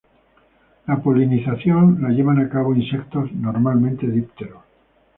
La polinización la llevan a cabo insectos, normalmente dípteros.